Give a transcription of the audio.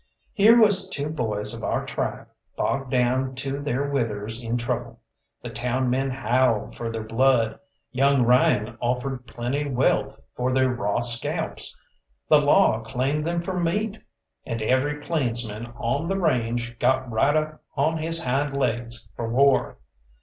Here was two boys of our tribe bogged down to their withers in trouble. The town men howled for their blood, young Ryan offered plenty wealth for their raw scalps, the law claimed them for meat and every plainsman on the range got right up on his hind legs for war.